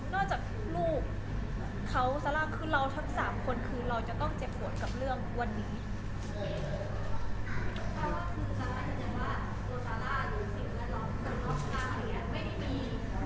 นอกจากลูกเขามีเราทั้ง๓คนคือเราจักรจนต้องเจ็บขวดกับเรื่องวันนี้